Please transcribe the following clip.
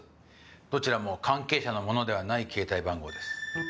どちらも関係者の者ではない携帯番号です。